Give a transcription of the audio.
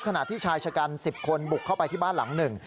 ขณะที่ชายชะกัน๑๐คนบุกเข้าไปที่บ้านหลังหนึ่ง